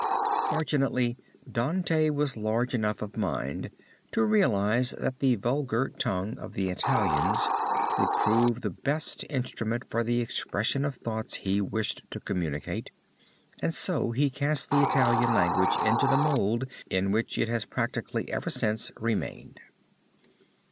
Fortunately Dante was large enough of mind to realize, that the vulgar tongue of the Italians would prove the best instrument for the expression of the thoughts he wished to communicate, and so he cast the Italian language into the mold in which it has practically ever since remained.